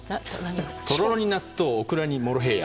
とろろに納豆オクラにモロヘイヤ。